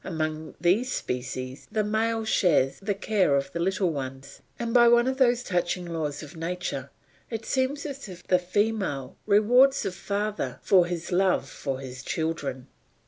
Among these species the male shares the care of the little ones; and by one of those touching laws of nature it seems as if the female rewards the father for his love for his children.